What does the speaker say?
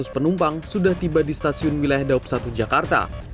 tiga ratus sembilan puluh tiga enam ratus penumpang sudah tiba di stasiun wilayah daup satu jakarta